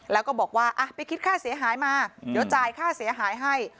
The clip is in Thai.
แล้วก็บอกว่าไปคิดค่าเสียหายมาเดี๋ยวจ่ายค่าเสียหายให้